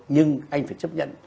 nhưng anh phải chấp nhận